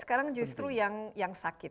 sekarang justru yang sakit